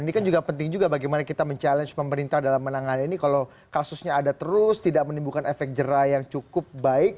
ini kan juga penting juga bagaimana kita mencabar pemerintah dalam menangani ini kalau kasusnya ada terus tidak menimbulkan efek jerai yang cukup baik